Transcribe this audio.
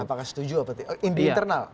apakah setuju atau di internal